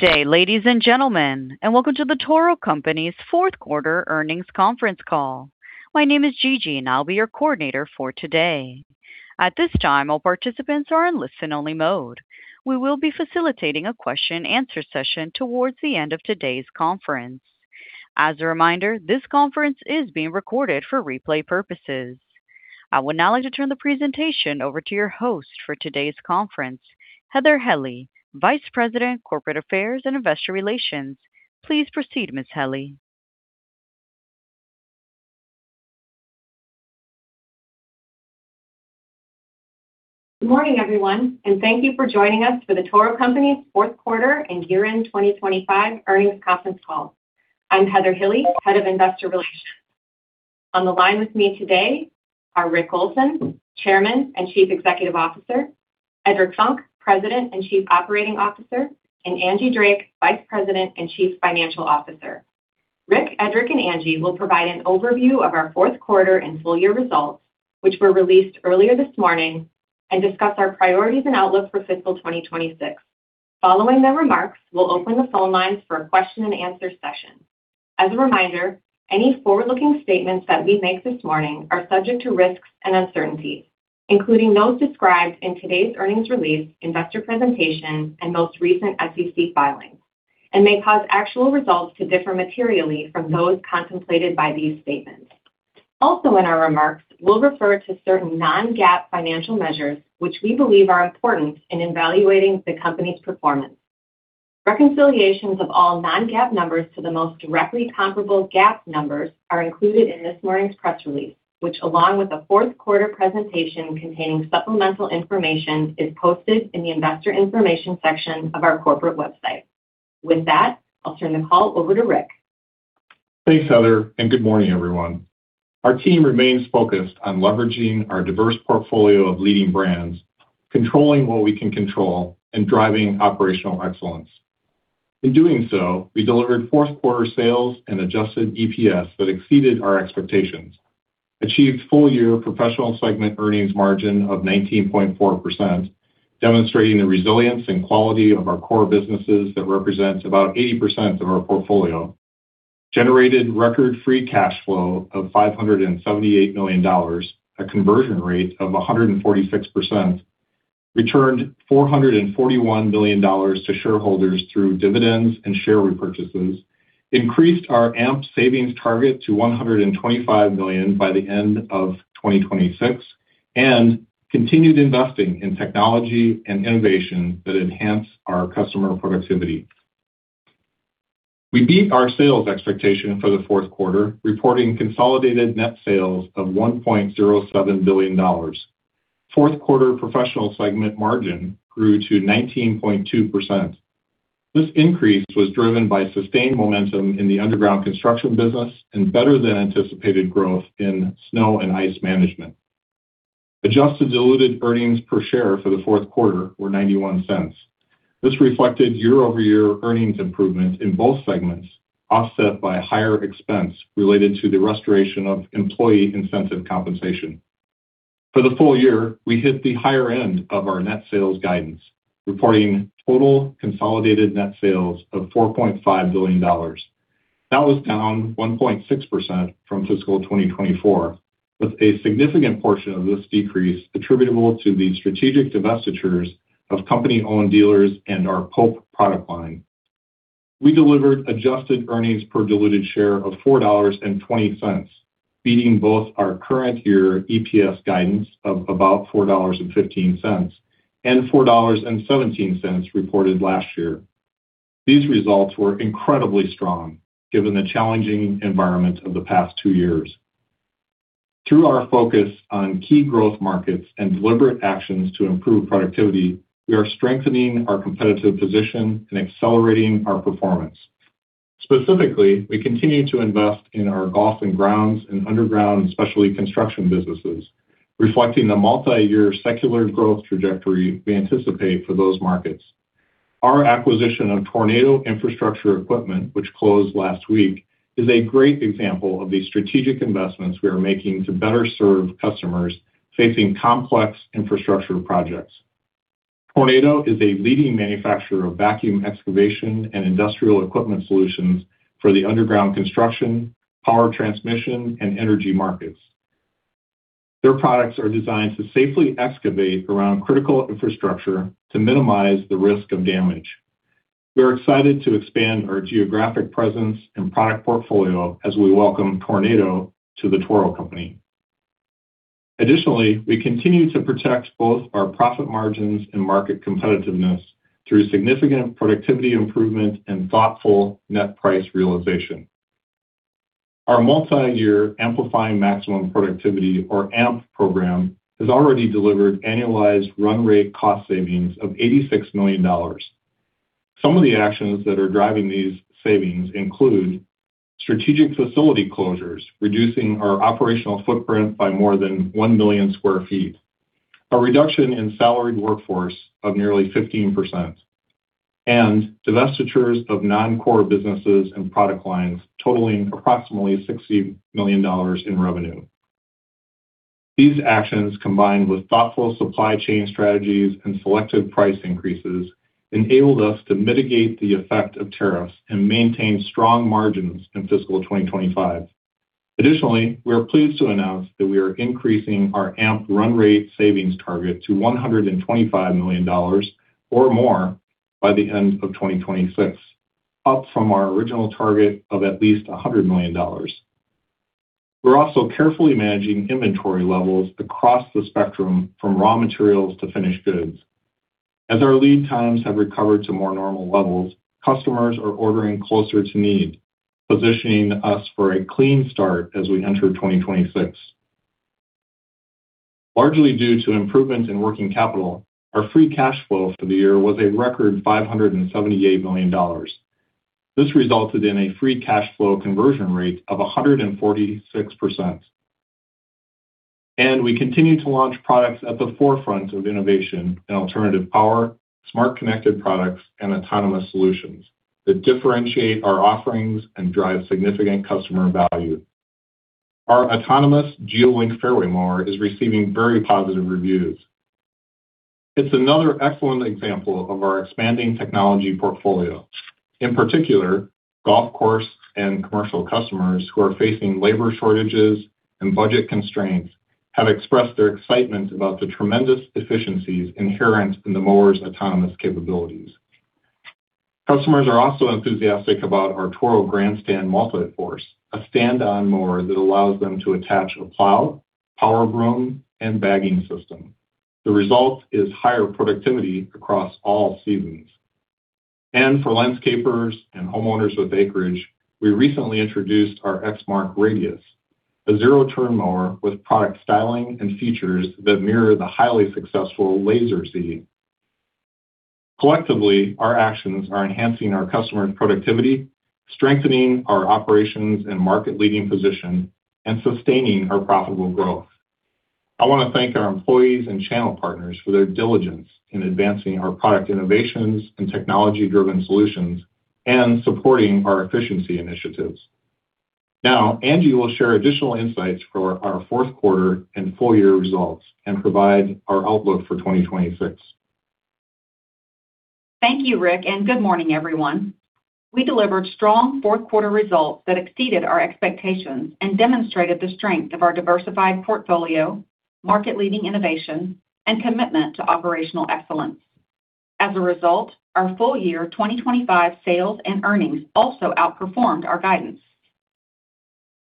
Good day, ladies and gentlemen, and welcome to The Toro Company's fourth quarter earnings conference call. My name is Gigi, and I'll be your coordinator for today. At this time, all participants are in listen-only mode. We will be facilitating a question and answer session towards the end of today's conference. As a reminder, this conference is being recorded for replay purposes. I would now like to turn the presentation over to your host for today's conference, Heather Hille, Vice President, Corporate Affairs and Investor Relations. Please proceed, Ms. Hille. Good morning, everyone, and thank you for joining us for the Toro Company's fourth quarter and year-end 2025 earnings conference call. I'm Heather Hille, Head of Investor Relations. On the line with me today are Rick Olson, Chairman and Chief Executive Officer, Edric Funk, President and Chief Operating Officer, and Angie Drake, Vice President and Chief Financial Officer. Rick, Edric, and Angie will provide an overview of our fourth quarter and full-year results, which were released earlier this morning, and discuss our priorities and outlook for fiscal 2026. Following their remarks, we'll open the phone lines for a question and answer session. As a reminder, any forward-looking statements that we make this morning are subject to risks and uncertainties, including those described in today's earnings release, investor presentation, and most recent SEC filings, and may cause actual results to differ materially from those contemplated by these statements. Also, in our remarks, we'll refer to certain non-GAAP financial measures, which we believe are important in evaluating the company's performance. Reconciliations of all non-GAAP numbers to the most directly comparable GAAP numbers are included in this morning's press release, which, along with the fourth quarter presentation containing supplemental information, is posted in the investor information section of our corporate website. With that, I'll turn the call over to Rick. Thanks, Heather, and good morning, everyone. Our team remains focused on leveraging our diverse portfolio of leading brands, controlling what we can control, and driving operational excellence. In doing so, we delivered fourth-quarter sales and adjusted EPS that exceeded our expectations, achieved full-year professional segment earnings margin of 19.4%, demonstrating the resilience and quality of our core businesses that represent about 80% of our portfolio, generated record free cash flow of $578 million, a conversion rate of 146%, returned $441 million to shareholders through dividends and share repurchases, increased our AMP savings target to $125 million by the end of 2026, and continued investing in technology and innovation that enhance our customer productivity. We beat our sales expectation for the fourth quarter, reporting consolidated net sales of $1.07 billion. Fourth-quarter professional segment margin grew to 19.2%. This increase was driven by sustained momentum in the underground construction business and better-than-anticipated growth in snow and ice management. Adjusted diluted earnings per share for the fourth quarter were $0.91. This reflected year-over-year earnings improvement in both segments, offset by higher expense related to the restoration of employee incentive compensation. For the full year, we hit the higher end of our net sales guidance, reporting total consolidated net sales of $4.5 billion. That was down 1.6% from fiscal 2024, with a significant portion of this decrease attributable to the strategic divestitures of company-owned dealers and our Pope product line. We delivered adjusted earnings per diluted share of $4.20, beating both our current-year EPS guidance of about $4.15 and $4.17 reported last year. These results were incredibly strong, given the challenging environment of the past two years. Through our focus on key growth markets and deliberate actions to improve productivity, we are strengthening our competitive position and accelerating our performance. Specifically, we continue to invest in our Golf and Grounds and underground specialty construction businesses, reflecting the multi-year secular growth trajectory we anticipate for those markets. Our acquisition of Tornado Infrastructure Equipment, which closed last week, is a great example of the strategic investments we are making to better serve customers facing complex infrastructure projects. Tornado is a leading manufacturer of vacuum excavation and industrial equipment solutions for the underground construction, power transmission, and energy markets. Their products are designed to safely excavate around critical infrastructure to minimize the risk of damage. We are excited to expand our geographic presence and product portfolio as we welcome Tornado to the Toro Company. Additionally, we continue to protect both our profit margins and market competitiveness through significant productivity improvement and thoughtful net price realization. Our multi-year amplifying maximum productivity, or AMP, program has already delivered annualized run-rate cost savings of $86 million. Some of the actions that are driving these savings include strategic facility closures, reducing our operational footprint by more than 1 million sq ft, a reduction in salaried workforce of nearly 15%, and divestitures of non-core businesses and product lines totaling approximately $60 million in revenue. These actions, combined with thoughtful supply chain strategies and selective price increases, enabled us to mitigate the effect of tariffs and maintain strong margins in fiscal 2025. Additionally, we are pleased to announce that we are increasing our AMP run-rate savings target to $125 million or more by the end of 2026, up from our original target of at least $100 million. We're also carefully managing inventory levels across the spectrum from raw materials to finished goods. As our lead times have recovered to more normal levels, customers are ordering closer to need, positioning us for a clean start as we enter 2026. Largely due to improvements in working capital, our free cash flow for the year was a record $578 million. This resulted in a free cash flow conversion rate of 146%. We continue to launch products at the forefront of innovation in alternative power, smart connected products, and autonomous solutions that differentiate our offerings and drive significant customer value. Our autonomous GeoLink fairway mower is receiving very positive reviews. It's another excellent example of our expanding technology portfolio. In particular, golf course and commercial customers who are facing labor shortages and budget constraints have expressed their excitement about the tremendous efficiencies inherent in the mower's autonomous capabilities. Customers are also enthusiastic about our Toro GrandStand MULTI FORCE, a stand-on mower that allows them to attach a plow, power broom, and bagging system. The result is higher productivity across all seasons, and for landscapers and homeowners with acreage, we recently introduced our Exmark Radius, a zero-turn mower with product styling and features that mirror the highly successful Lazer Z. Collectively, our actions are enhancing our customers' productivity, strengthening our operations and market-leading position, and sustaining our profitable growth. I want to thank our employees and channel partners for their diligence in advancing our product innovations and technology-driven solutions and supporting our efficiency initiatives. Now, Angie will share additional insights for our fourth quarter and full-year results and provide our outlook for 2026. Thank you, Rick, and good morning, everyone. We delivered strong fourth-quarter results that exceeded our expectations and demonstrated the strength of our diversified portfolio, market-leading innovation, and commitment to operational excellence. As a result, our full-year 2025 sales and earnings also outperformed our guidance.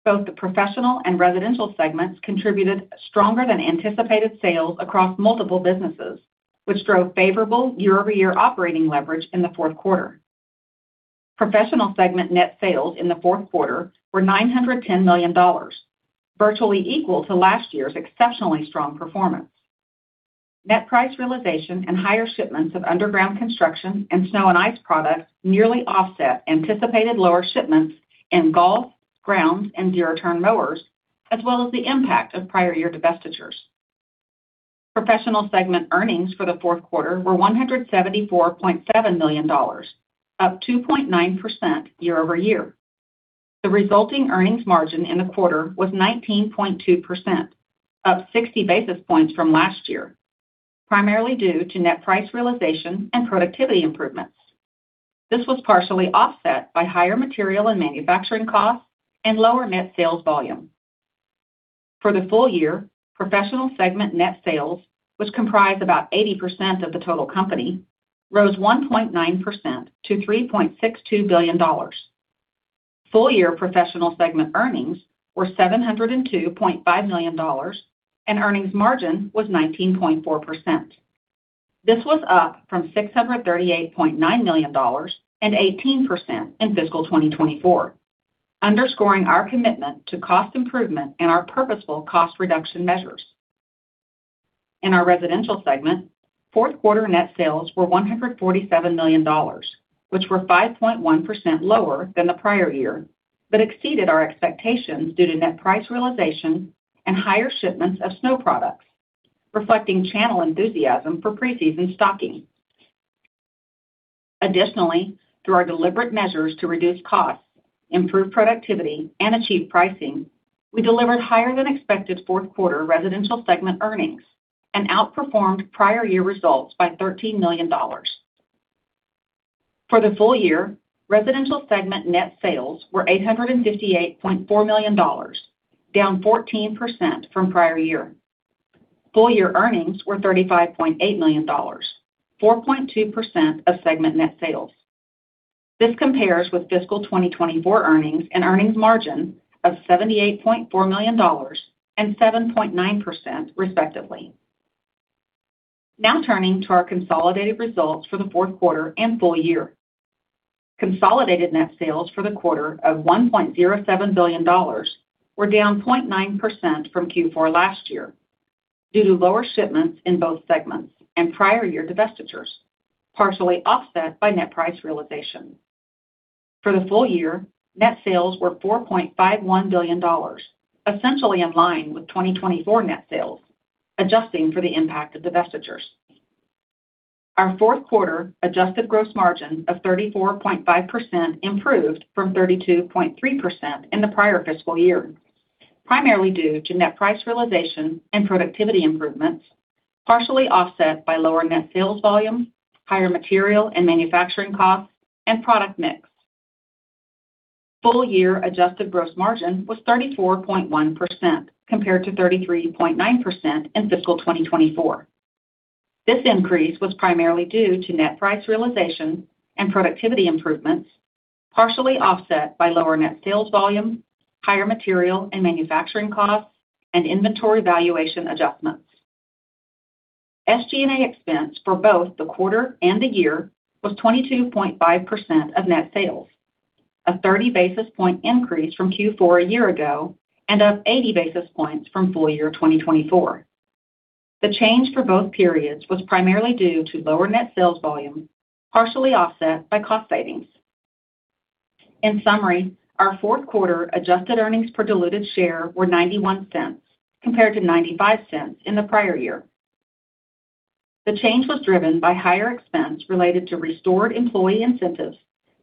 Both the professional and residential segments contributed stronger-than-anticipated sales across multiple businesses, which drove favorable year-over-year operating leverage in the fourth quarter. Professional segment net sales in the fourth quarter were $910 million, virtually equal to last year's exceptionally strong performance. Net price realization and higher shipments of underground construction and snow and ice products nearly offset anticipated lower shipments in golf, grounds, and zero-turn mowers, as well as the impact of prior-year divestitures. Professional segment earnings for the fourth quarter were $174.7 million, up 2.9% year-over-year. The resulting earnings margin in the quarter was 19.2%, up 60 basis points from last year, primarily due to net price realization and productivity improvements. This was partially offset by higher material and manufacturing costs and lower net sales volume. For the full year, professional segment net sales, which comprised about 80% of the total company, rose 1.9% to $3.62 billion. Full-year professional segment earnings were $702.5 million, and earnings margin was 19.4%. This was up from $638.9 million and 18% in fiscal 2024, underscoring our commitment to cost improvement and our purposeful cost reduction measures. In our residential segment, fourth-quarter net sales were $147 million, which were 5.1% lower than the prior year, but exceeded our expectations due to net price realization and higher shipments of snow products, reflecting channel enthusiasm for pre-season stocking. Additionally, through our deliberate measures to reduce costs, improve productivity, and achieve pricing, we delivered higher-than-expected fourth-quarter residential segment earnings and outperformed prior-year results by $13 million. For the full year, residential segment net sales were $858.4 million, down 14% from prior year. Full-year earnings were $35.8 million, 4.2% of segment net sales. This compares with fiscal 2024 earnings and earnings margin of $78.4 million and 7.9%, respectively. Now turning to our consolidated results for the fourth quarter and full year. Consolidated net sales for the quarter of $1.07 billion were down 0.9% from Q4 last year due to lower shipments in both segments and prior-year divestitures, partially offset by net price realization. For the full year, net sales were $4.51 billion, essentially in line with 2024 net sales, adjusting for the impact of divestitures. Our fourth quarter adjusted gross margin of 34.5% improved from 32.3% in the prior fiscal year, primarily due to net price realization and productivity improvements, partially offset by lower net sales volume, higher material and manufacturing costs, and product mix. full-year adjusted gross margin was 34.1% compared to 33.9% in fiscal 2024. This increase was primarily due to net price realization and productivity improvements, partially offset by lower net sales volume, higher material and manufacturing costs, and inventory valuation adjustments. SG&A expense for both the quarter and the year was 22.5% of net sales, a 30 basis point increase from Q4 a year ago and up 80 basis points from full year 2024. The change for both periods was primarily due to lower net sales volume, partially offset by cost savings. In summary, our fourth quarter adjusted earnings per diluted share were $0.91 compared to $0.95 in the prior year. The change was driven by higher expenses related to restored employee incentives,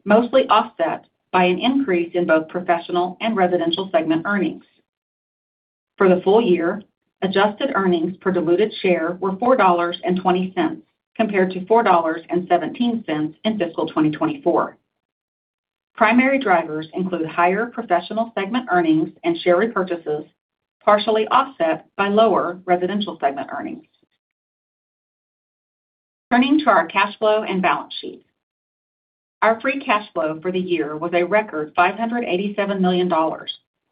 mostly offset by an increase in both professional and residential segment earnings. For the full year, adjusted earnings per diluted share were $4.20 compared to $4.17 in fiscal 2024. Primary drivers include higher professional segment earnings and share repurchases, partially offset by lower residential segment earnings. Turning to our cash flow and balance sheets. Our free cash flow for the year was a record $587 million,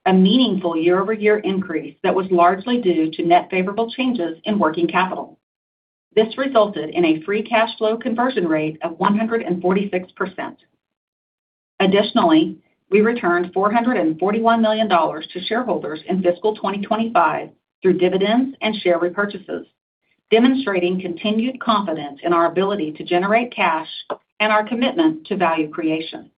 a meaningful year-over-year increase that was largely due to net favorable changes in working capital. This resulted in a free cash flow conversion rate of 146%. Additionally, we returned $441 million to shareholders in fiscal 2025 through dividends and share repurchases, demonstrating continued confidence in our ability to generate cash and our commitment to value creation.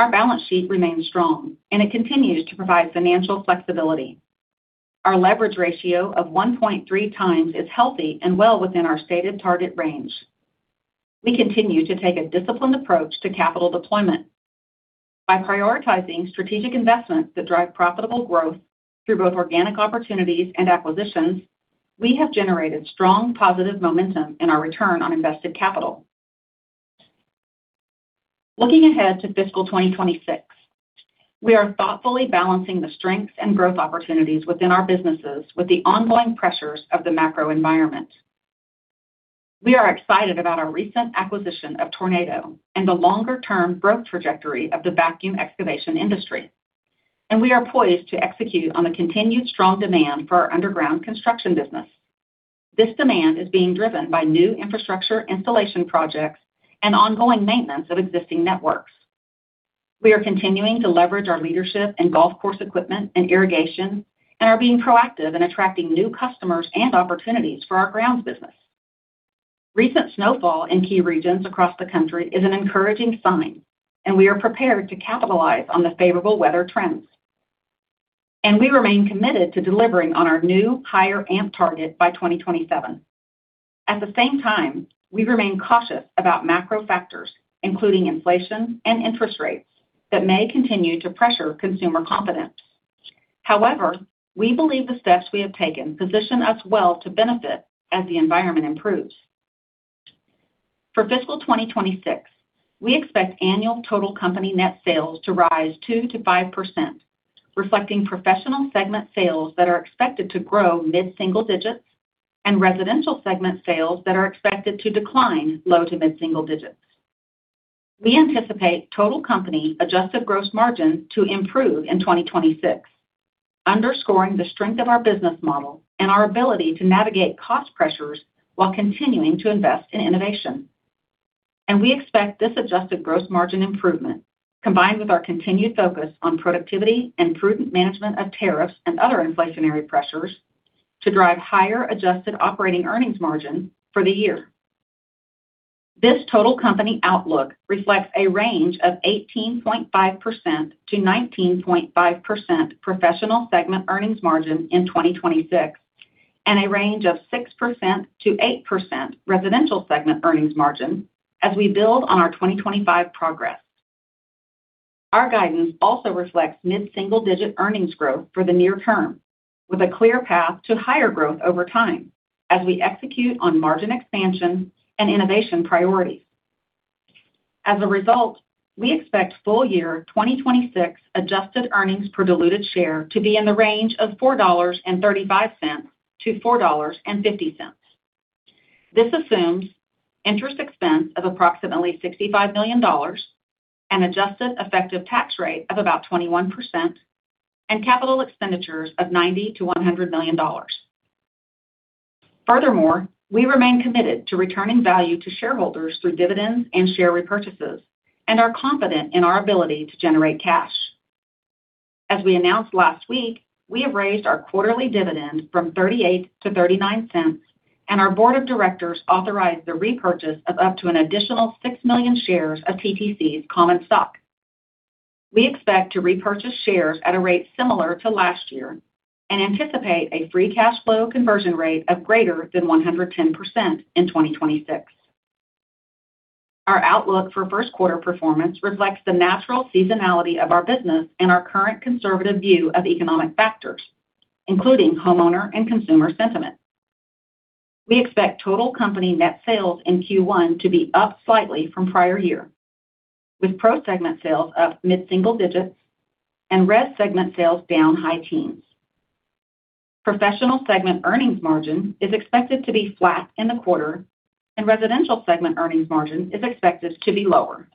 Our balance sheet remains strong, and it continues to provide financial flexibility. Our leverage ratio of 1.3x is healthy and well within our stated target range. We continue to take a disciplined approach to capital deployment. By prioritizing strategic investments that drive profitable growth through both organic opportunities and acquisitions, we have generated strong positive momentum in our return on invested capital. Looking ahead to fiscal 2026, we are thoughtfully balancing the strengths and growth opportunities within our businesses with the ongoing pressures of the macro environment. We are excited about our recent acquisition of Tornado and the longer-term growth trajectory of the vacuum excavation industry, and we are poised to execute on the continued strong demand for our underground construction business. This demand is being driven by new infrastructure installation projects and ongoing maintenance of existing networks. We are continuing to leverage our leadership in golf course equipment and irrigation and are being proactive in attracting new customers and opportunities for our grounds business. Recent snowfall in key regions across the country is an encouraging sign, and we are prepared to capitalize on the favorable weather trends, and we remain committed to delivering on our new higher AMP target by 2027. At the same time, we remain cautious about macro factors, including inflation and interest rates, that may continue to pressure consumer confidence. However, we believe the steps we have taken position us well to benefit as the environment improves. For fiscal 2026, we expect annual total company net sales to rise 2%-5%, reflecting professional segment sales that are expected to grow mid-single digits and residential segment sales that are expected to decline low to mid-single digits. We anticipate total company adjusted gross margin to improve in 2026, underscoring the strength of our business model and our ability to navigate cost pressures while continuing to invest in innovation. And we expect this adjusted gross margin improvement, combined with our continued focus on productivity and prudent management of tariffs and other inflationary pressures, to drive higher adjusted operating earnings margin for the year. This total company outlook reflects a range of 18.5%-19.5% professional segment earnings margin in 2026 and a range of 6%-8% residential segment earnings margin as we build on our 2025 progress. Our guidance also reflects mid-single digit earnings growth for the near term, with a clear path to higher growth over time as we execute on margin expansion and innovation priorities. As a result, we expect full year 2026 adjusted earnings per diluted share to be in the range of $4.35-$4.50. This assumes interest expense of approximately $65 million and adjusted effective tax rate of about 21% and capital expenditures of $90-$100 million. Furthermore, we remain committed to returning value to shareholders through dividends and share repurchases and are confident in our ability to generate cash. As we announced last week, we have raised our quarterly dividend from $0.38-$0.39, and our Board of Directors authorized the repurchase of up to an additional six million shares of TTC's common stock. We expect to repurchase shares at a rate similar to last year and anticipate a free cash flow conversion rate of greater than 110% in 2026. Our outlook for first quarter performance reflects the natural seasonality of our business and our current conservative view of economic factors, including homeowner and consumer sentiment. We expect total company net sales in Q1 to be up slightly from prior year, with Pro segment sales up mid-single digits and Res segment sales down high teens. Professional segment earnings margin is expected to be flat in the quarter, and residential segment earnings margin is expected to be lower.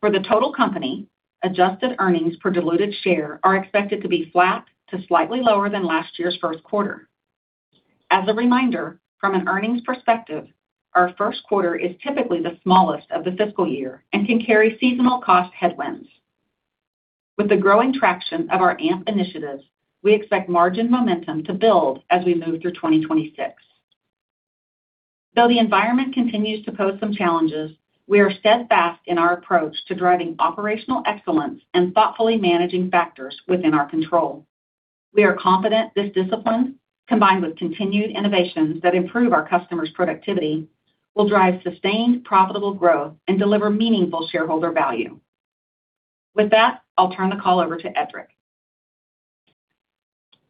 For the total company, adjusted earnings per diluted share are expected to be flat to slightly lower than last year's first quarter. As a reminder, from an earnings perspective, our first quarter is typically the smallest of the fiscal year and can carry seasonal cost headwinds. With the growing traction of our AMP initiatives, we expect margin momentum to build as we move through 2026. Though the environment continues to pose some challenges, we are steadfast in our approach to driving operational excellence and thoughtfully managing factors within our control. We are confident this discipline, combined with continued innovations that improve our customers' productivity, will drive sustained profitable growth and deliver meaningful shareholder value. With that, I'll turn the call over to Edric.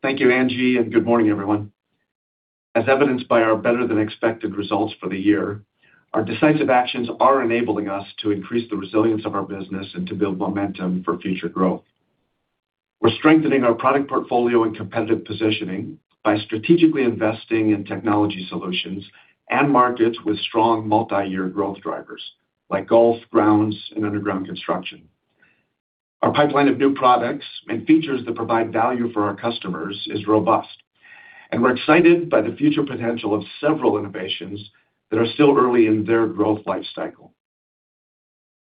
Thank you, Angie, and good morning, everyone. As evidenced by our better-than-expected results for the year, our decisive actions are enabling us to increase the resilience of our business and to build momentum for future growth. We're strengthening our product portfolio and competitive positioning by strategically investing in technology solutions and markets with strong multi-year growth drivers like golf, grounds, and underground construction. Our pipeline of new products and features that provide value for our customers is robust, and we're excited by the future potential of several innovations that are still early in their growth life cycle.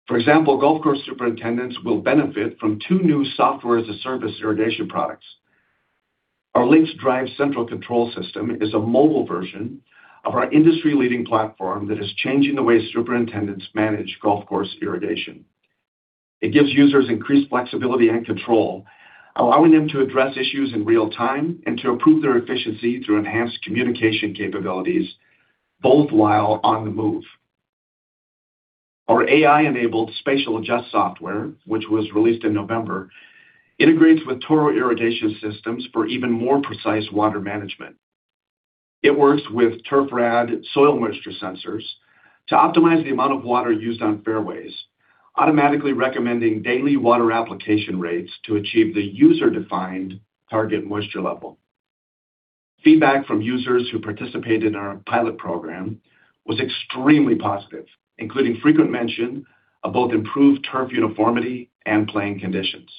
For example, golf course superintendents will benefit from two new software-as-a-service irrigation products. Our Lynx Central Control System is a mobile version of our industry-leading platform that is changing the way superintendents manage golf course irrigation. It gives users increased flexibility and control, allowing them to address issues in real time and to improve their efficiency through enhanced communication capabilities, both while on the move. Our AI-enabled Spatial Adjust software, which was released in November, integrates with Toro Irrigation Systems for even more precise water management. It works with Turf Guard soil moisture sensors to optimize the amount of water used on fairways, automatically recommending daily water application rates to achieve the user-defined target moisture level. Feedback from users who participated in our pilot program was extremely positive, including frequent mention of both improved turf uniformity and playing conditions.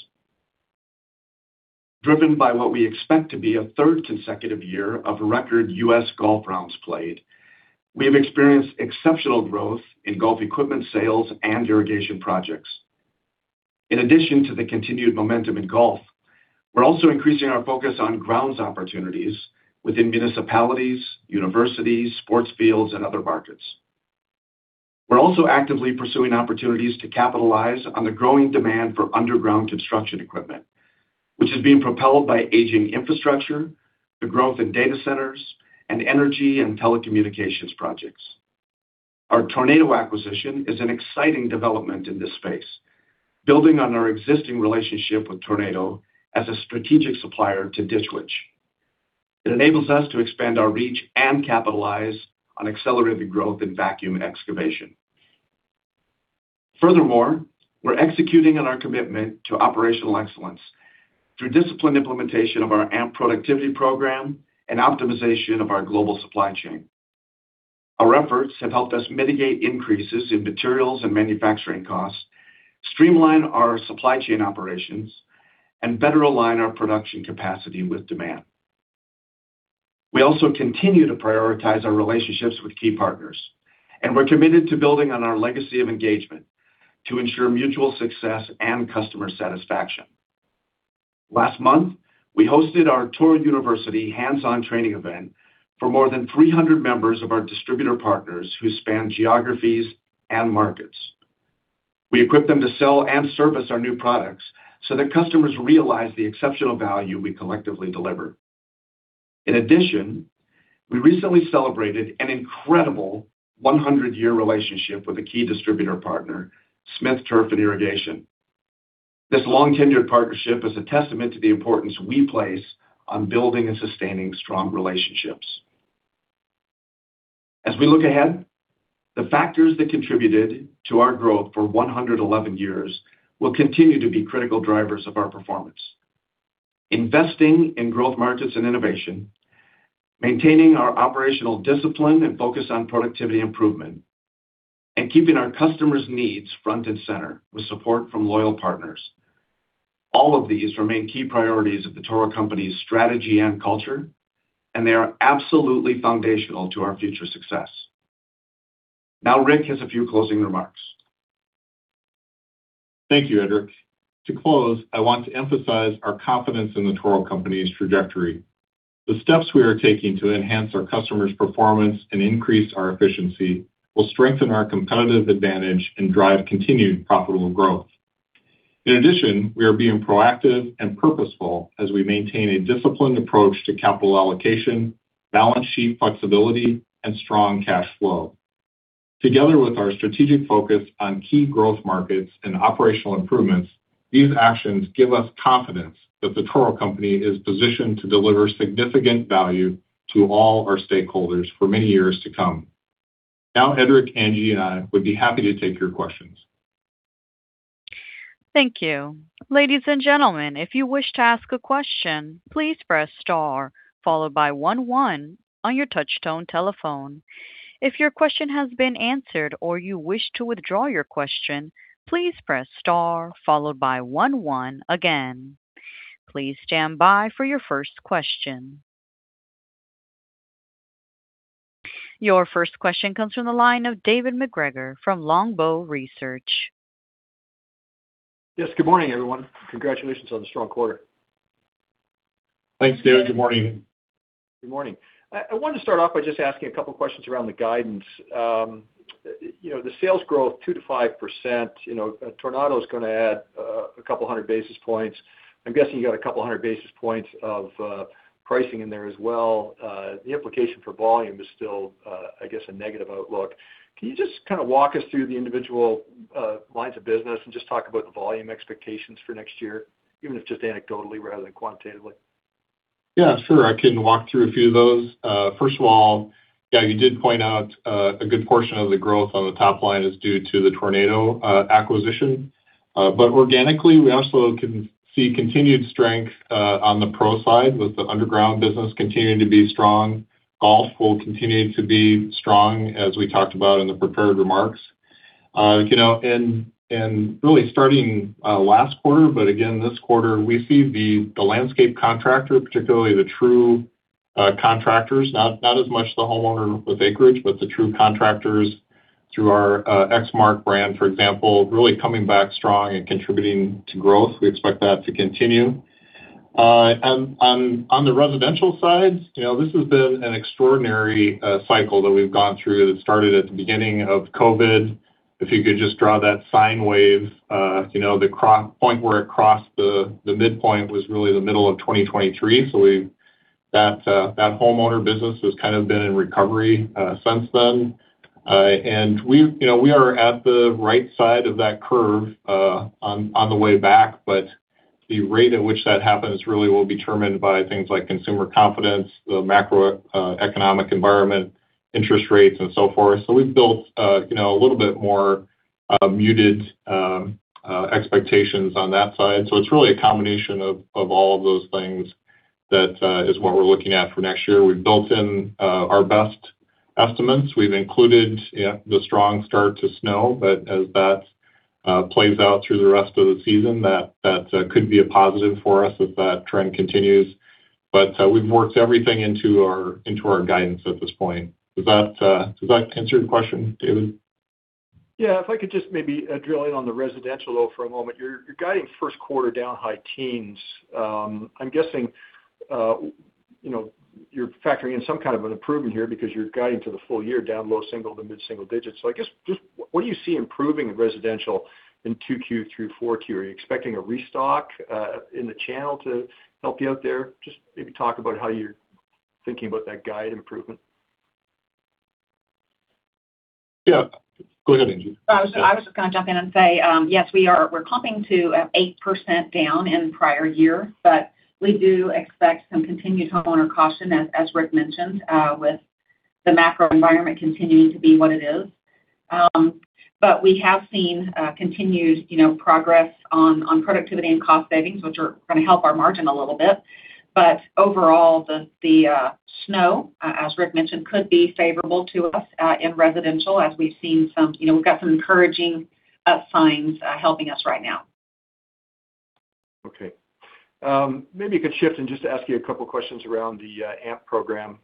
Driven by what we expect to be a third consecutive year of record U.S. golf rounds played, we have experienced exceptional growth in golf equipment sales and irrigation projects. In addition to the continued momentum in golf, we're also increasing our focus on grounds opportunities within municipalities, universities, sports fields, and other markets. We're also actively pursuing opportunities to capitalize on the growing demand for underground construction equipment, which is being propelled by aging infrastructure, the growth in data centers, and energy and telecommunications projects. Our Tornado acquisition is an exciting development in this space, building on our existing relationship with Tornado as a strategic supplier to Ditch Witch. It enables us to expand our reach and capitalize on accelerated growth in vacuum excavation. Furthermore, we're executing on our commitment to operational excellence through disciplined implementation of our AMP productivity program and optimization of our global supply chain. Our efforts have helped us mitigate increases in materials and manufacturing costs, streamline our supply chain operations, and better align our production capacity with demand. We also continue to prioritize our relationships with key partners, and we're committed to building on our legacy of engagement to ensure mutual success and customer satisfaction. Last month, we hosted our Toro University hands-on training event for more than 300 members of our distributor partners who span geographies and markets. We equipped them to sell and service our new products so that customers realize the exceptional value we collectively deliver. In addition, we recently celebrated an incredible 100-year relationship with a key distributor partner, Smith Turf and Irrigation. This long-tenured partnership is a testament to the importance we place on building and sustaining strong relationships. As we look ahead, the factors that contributed to our growth for 111 years will continue to be critical drivers of our performance: investing in growth markets and innovation, maintaining our operational discipline and focus on productivity improvement, and keeping our customers' needs front and center with support from loyal partners. All of these remain key priorities of the Toro Company's strategy and culture, and they are absolutely foundational to our future success. Now, Rick has a few closing remarks. Thank you, Edric. To close, I want to emphasize our confidence in the Toro Company's trajectory. The steps we are taking to enhance our customers' performance and increase our efficiency will strengthen our competitive advantage and drive continued profitable growth. In addition, we are being proactive and purposeful as we maintain a disciplined approach to capital allocation, balance sheet flexibility, and strong cash flow. Together with our strategic focus on key growth markets and operational improvements, these actions give us confidence that the Toro Company is positioned to deliver significant value to all our stakeholders for many years to come. Now, Edric, Angie, and I would be happy to take your questions. Thank you. Ladies and gentlemen, if you wish to ask a question, please press Star followed by 1-1 on your touch-tone telephone. If your question has been answered or you wish to withdraw your question, please press Star followed by one one again. Please stand by for your first question. Your first question comes from the line of David MacGregor from Longbow Research. Yes, good morning, everyone. Congratulations on the strong quarter. Thanks, David. Good morning. Good morning. I wanted to start off by just asking a couple of questions around the guidance. The sales growth, 2%-5%, Tornado is going to add a couple of hundred basis points. I'm guessing you got a couple of hundred basis points of pricing in there as well. The implication for volume is still, I guess, a negative outlook. Can you just kind of walk us through the individual lines of business and just talk about the volume expectations for next year, even if just anecdotally rather than quantitatively? Yeah, sure. I can walk through a few of those. First of all, yeah, you did point out a good portion of the growth on the top line is due to the Tornado acquisition. But organically, we also can see continued strength on the pro side with the underground business continuing to be strong. Golf will continue to be strong, as we talked about in the prepared remarks. And really starting last quarter, but again, this quarter, we see the landscape contractor, particularly the true contractors, not as much the homeowner with acreage, but the true contractors through our Exmark brand, for example, really coming back strong and contributing to growth. We expect that to continue. And on the residential side, this has been an extraordinary cycle that we've gone through that started at the beginning of COVID. If you could just draw that sine wave, the point where it crossed the midpoint was really the middle of 2023. So that homeowner business has kind of been in recovery since then. And we are at the right side of that curve on the way back, but the rate at which that happens really will be determined by things like consumer confidence, the macroeconomic environment, interest rates, and so forth. So we've built a little bit more muted expectations on that side. So it's really a combination of all of those things that is what we're looking at for next year. We've built in our best estimates. We've included the strong start to snow, but as that plays out through the rest of the season, that could be a positive for us if that trend continues. But we've worked everything into our guidance at this point. Does that answer your question, David? Yeah. If I could just maybe drill in on the residential though for a moment. You're guiding first quarter down high teens. I'm guessing you're factoring in some kind of an improvement here because you're guiding to the full-year down low-single- to mid-single-digit. So I guess just what do you see improving in residential in Q2 through Q4? Are you expecting a restock in the channel to help you out there? Just maybe talk about how you're thinking about that guide improvement. Yeah. Go ahead, Angie. So I was just going to jump in and say, yes, we're coming in 8% down from prior year, but we do expect some continued homeowner caution, as Rick mentioned, with the macro environment continuing to be what it is. But we have seen continued progress on productivity and cost savings, which are going to help our margin a little bit. But overall, the snow, as Rick mentioned, could be favorable to us in residential, as we've seen; we've got some encouraging signs helping us right now. Okay. Maybe you could shift and just ask you a couple of questions around the AMP program.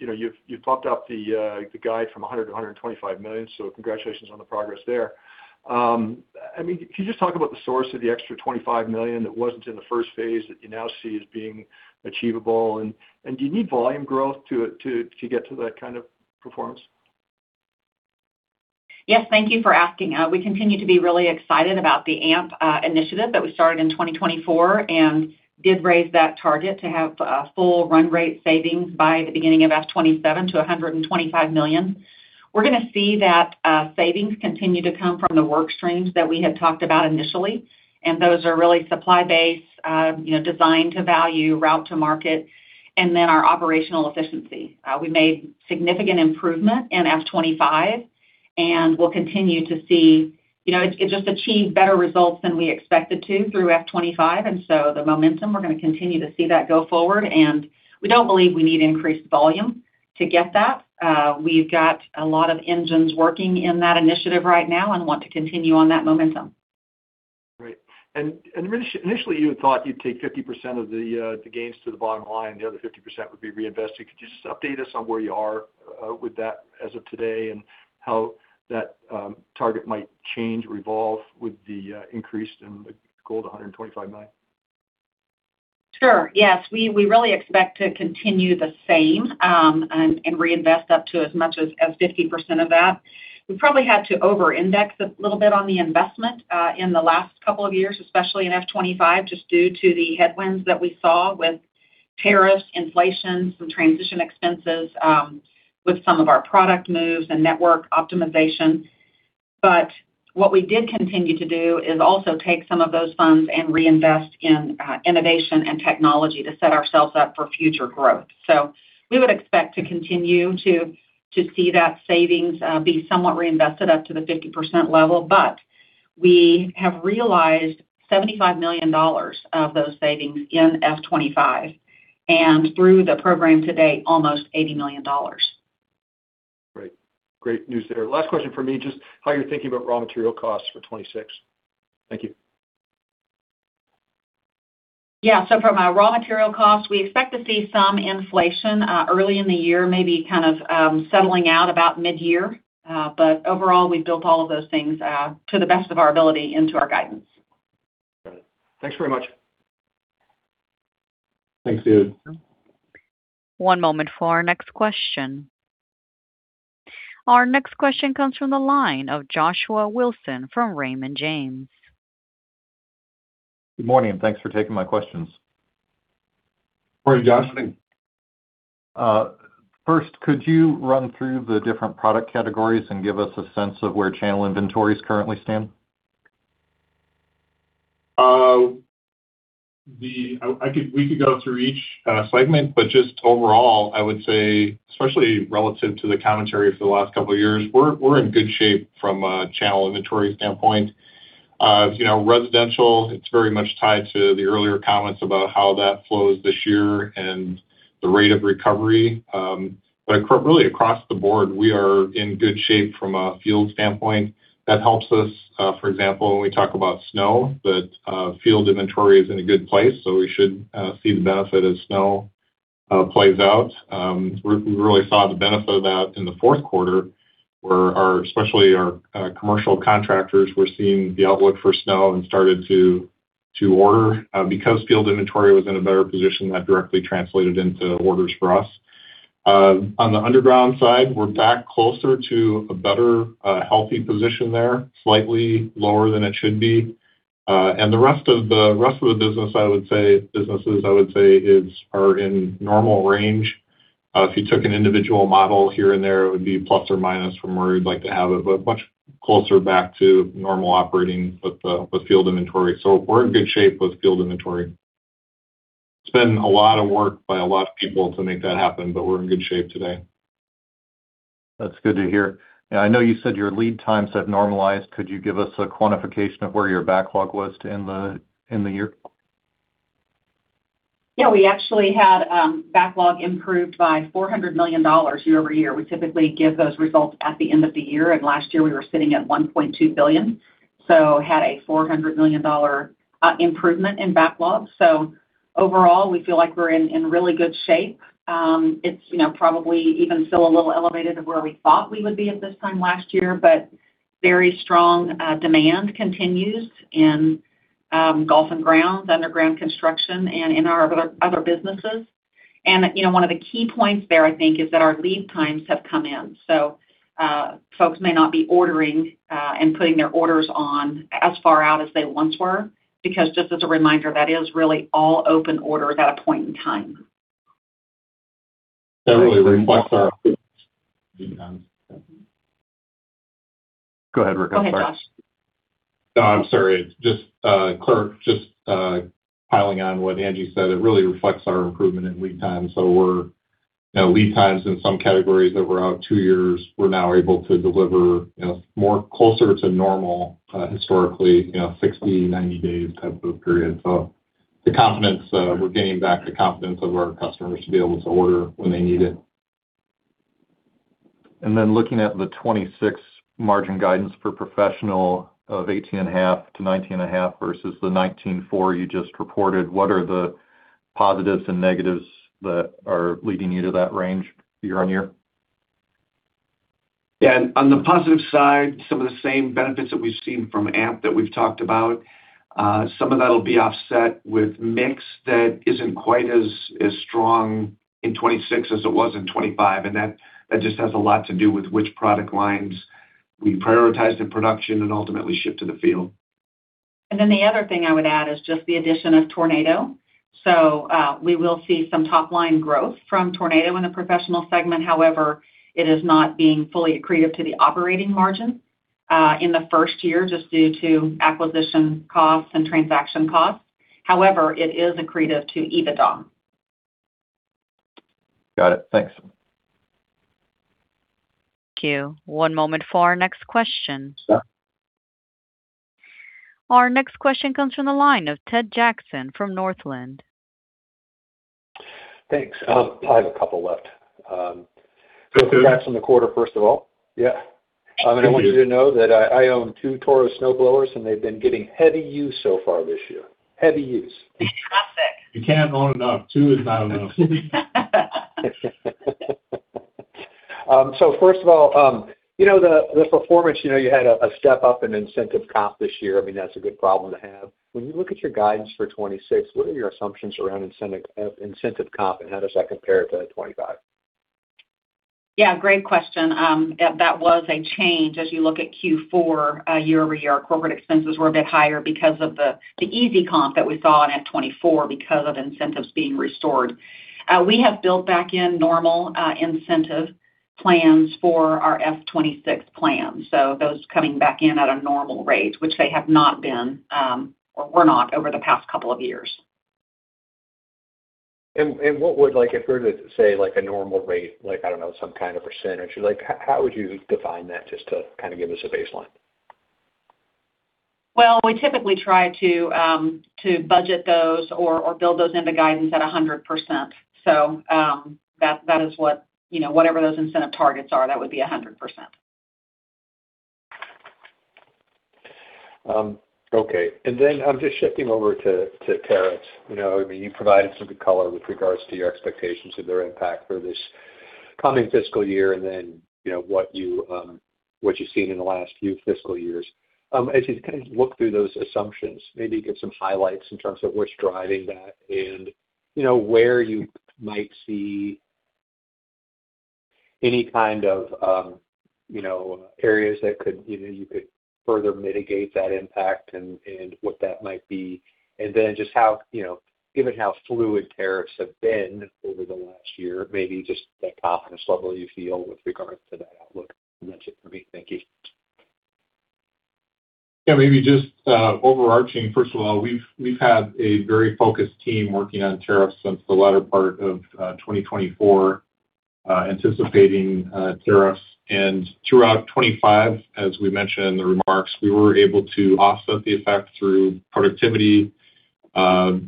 You've bumped up the guide from $100 million to $125 million, so congratulations on the progress there. I mean, can you just talk about the source of the extra $25 million that wasn't in the first phase that you now see as being achievable? And do you need volume growth to get to that kind of performance? Yes, thank you for asking. We continue to be really excited about the AMP initiative that we started in 2024 and did raise that target to have full run rate savings by the beginning of fiscal 2027 to $125 million. We're going to see that savings continue to come from the work streams that we had talked about initially, and those are really supply-based, design-to-value, route-to market, and then our operational efficiency. We made significant improvement in fiscal 2025, and we'll continue to see it just achieved better results than we expected to through fiscal 2025, and so the momentum we're going to continue to see that go forward, and we don't believe we need increased volume to get that. We've got a lot of engines working in that initiative right now and want to continue on that momentum. Right, and initially, you thought you'd take 50% of the gains to the bottom line, and the other 50% would be reinvested. Could you just update us on where you are with that as of today and how that target might change, evolve with the increase in the goal to $125 million? Sure. Yes. We really expect to continue the same and reinvest up to as much as 50% of that. We probably had to over-index a little bit on the investment in the last couple of years, especially in fiscal 2025, just due to the headwinds that we saw with tariffs, inflation, some transition expenses with some of our product moves and network optimization. But what we did continue to do is also take some of those funds and reinvest in innovation and technology to set ourselves up for future growth. So we would expect to continue to see that savings be somewhat reinvested up to the 50% level. But we have realized $75 million of those savings in fiscal 2025 and through the program to date, almost $80 million. Great. Great news there. Last question for me, just how you're thinking about raw material costs for 2026. Thank you. Yeah. So for my raw material costs, we expect to see some inflation early in the year, maybe kind of settling out about mid-year. But overall, we've built all of those things to the best of our ability into our guidance. Got it. Thanks very much. Thanks, David. One moment for our next question. Our next question comes from the line of Joshua Wilson from Raymond James. Good morning. Thanks for taking my questions. Morning, Josh. First, could you run through the different product categories and give us a sense of where channel inventories currently stand? We could go through each segment, but just overall, I would say, especially relative to the commentary for the last couple of years, we're in good shape from a channel inventory standpoint. Residential, it's very much tied to the earlier comments about how that flows this year and the rate of recovery. But really, across the board, we are in good shape from a field standpoint. That helps us, for example, when we talk about snow, that field inventory is in a good place, so we should see the benefit as snow plays out. We really saw the benefit of that in the fourth quarter, where especially our commercial contractors were seeing the outlook for snow and started to order. Because field inventory was in a better position, that directly translated into orders for us. On the underground side, we're back closer to a better, healthy position there, slightly lower than it should be. And the rest of the business, I would say, businesses, I would say, are in normal range. If you took an individual model here and there, it would be plus or minus from where you'd like to have it, but much closer back to normal operating with field inventory. So we're in good shape with field inventory. It's been a lot of work by a lot of people to make that happen, but we're in good shape today. That's good to hear. Yeah. I know you said your lead times have normalized. Could you give us a quantification of where your backlog was to end the year? Yeah. We actually had backlog improved by $400 million year-over-year. We typically give those results at the end of the year. Last year, we were sitting at $1.2 billion, so had a $400 million improvement in backlog. So overall, we feel like we're in really good shape. It's probably even still a little elevated to where we thought we would be at this time last year, but very strong demand continues in golf and grounds, underground construction, and in our other businesses. One of the key points there, I think, is that our lead times have come in. So folks may not be ordering and putting their orders on as far out as they once were because, just as a reminder, that is really all open orders at a point in time. That really reflects our. Go ahead, Rick. I'm sorry. Go ahead, Josh. No, I'm sorry. Just piling on what Angie said. It really reflects our improvement in lead times. So lead times in some categories that were out two years, we're now able to deliver more closer to normal, historically, 60, 90 days type of period. So we're getting back the confidence of our customers to be able to order when they need it. And then looking at the 2026 margin guidance for professional of 18.5%-19.5% versus the 19.4% you just reported, what are the positives and negatives that are leading you to that range year on year? Yeah. On the positive side, some of the same benefits that we've seen from AMP that we've talked about, some of that will be offset with mix that isn't quite as strong in 2026 as it was in 2025. And that just has a lot to do with which product lines we prioritize in production and ultimately ship to the field. And then the other thing I would add is just the addition of Tornado. So we will see some top-line growth from Tornado in the professional segment. However, it is not being fully accretive to the operating margin in the first year just due to acquisition costs and transaction costs. However, it is accretive to EBITDA. Got it. Thanks. Thank you. One moment for our next question. Our next question comes from the line of Ted Jackson from Northland. Thanks. I have a couple left. Go through that from the quarter, first of all. And I want you to know that I own two Toro Snowblowers, and they've been getting heavy use so far this year. Heavy use. Fantastic. You can't own enough. Two is not enough. So first of all, the performance, you had a step up in incentive comp this year. I mean, that's a good problem to have. When you look at your guidance for 2026, what are your assumptions around incentive comp, and how does that compare to 2025? Yeah. Great question. That was a change as you look at Q4 year-over-year. Corporate expenses were a bit higher because of the easy comp that we saw in fiscal 2024 because of incentives being restored. We have built back in normal incentive plans for our fiscal 2026 plan. So those coming back in at a normal rate, which they have not been or were not over the past couple of years. And what would, if we're to say a normal rate, I don't know, some kind of percentage, how would you define that just to kind of give us a baseline? Well, we typically try to budget those or build those into guidance at 100%. So that is whatever those incentive targets are, that would be 100%. Okay. And then I'm just shifting over to tariffs. I mean, you provided some good color with regards to your expectations of their impact for this coming fiscal year and then what you've seen in the last few fiscal years. As you kind of look through those assumptions, maybe get some highlights in terms of what's driving that and where you might see any kind of areas that you could further mitigate that impact and what that might be. And then just given how fluid tariffs have been over the last year, maybe just that confidence level you feel with regards to that outlook. That's it for me. Thank you. Yeah. Maybe just overarching, first of all, we've had a very focused team working on tariffs since the latter part of 2024, anticipating tariffs. Throughout 2025, as we mentioned in the remarks, we were able to offset the effect through productivity,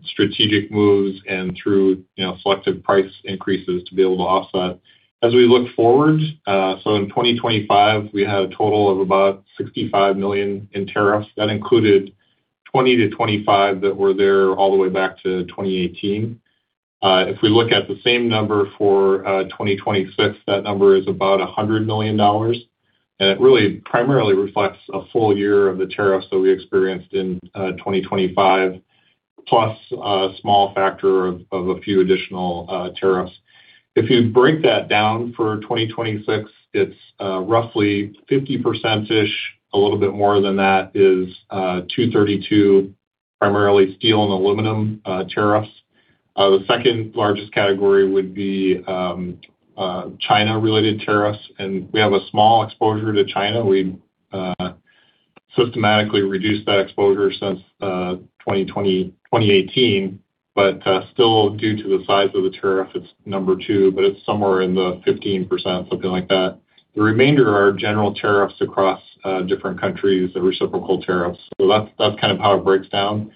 strategic moves, and through selective price increases to be able to offset. As we look forward, in 2025 we had a total of about $65 million in tariffs. That included $20 million-$25 million that were there all the way back to 2018. If we look at the same number for 2026, that number is about $100 million. And it really primarily reflects a full year of the tariffs that we experienced in 2025, plus a small factor of a few additional tariffs. If you break that down for 2026, it's roughly 50%-ish. A little bit more than that is 232, primarily steel and aluminum tariffs. The second largest category would be China-related tariffs. And we have a small exposure to China. We systematically reduced that exposure since 2018, but still, due to the size of the tariff, it's number two, but it's somewhere in the 15%, something like that. The remainder are general tariffs across different countries, reciprocal tariffs. So that's kind of how it breaks down.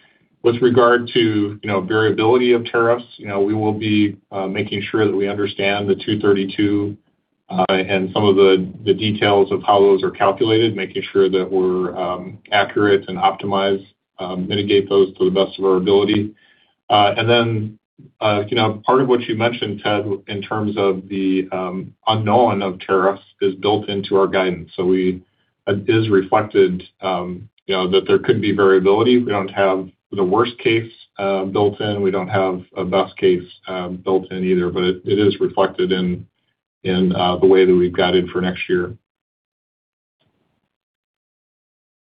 With regard to variability of tariffs, we will be making sure that we understand the 232 and some of the details of how those are calculated, making sure that we're accurate and optimize, mitigate those to the best of our ability. And then part of what you mentioned, Ted, in terms of the unknown of tariffs is built into our guidance. So it is reflected that there could be variability. We don't have the worst case built in. We don't have a best case built in either, but it is reflected in the way that we've guided for next year.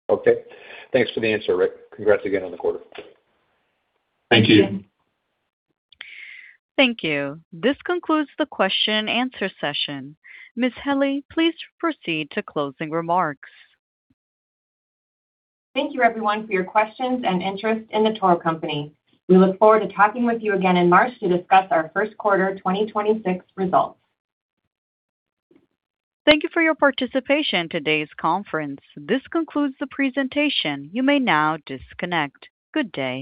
Okay. Thanks for the answer, Rick. Congrats again on the quarter. Thank you. Thank you. This concludes the question and answer session. Ms. Hille, please proceed to closing remarks. Thank you, everyone, for your questions and interest in The Toro Company. We look forward to talking with you again in March to discuss our first quarter 2026 results. Thank you for your participation in today's conference. This concludes the presentation. You may now disconnect. Good day.